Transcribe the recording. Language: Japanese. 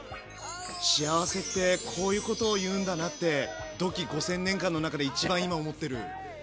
幸せってこういうことをいうんだなってドッキー５，０００年間の中で一番今思ってる。